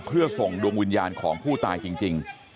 เพื่อส่งดวงวิญญาณของผู้ตายจริง